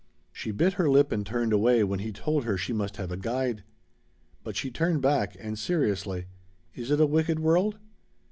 She bit her lip and turned away when he told her she must have a guide. But she turned back, and seriously. "Is it a wicked world?"